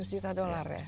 seratus juta dollar ya